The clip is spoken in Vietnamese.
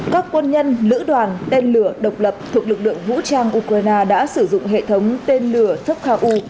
các quân nhân lữ đoàn tên lửa độc lập thuộc lực lượng vũ trang ukraine đã sử dụng hệ thống tên lửa thấp khảo u